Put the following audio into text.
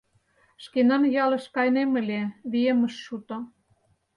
Шкенан ялыш кайынем ыле, вием ыш шуто.